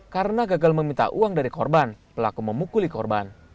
karena gagal meminta uang dari korban pelaku memukuli korban